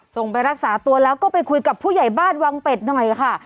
ไปรักษาตัวแล้วก็ไปคุยกับผู้ใหญ่บ้านวังเป็ดหน่อยค่ะ